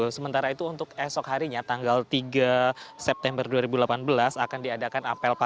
sementara itu untuk esok harinya tanggal tiga september dua ribu delapan belas akan diadakan apel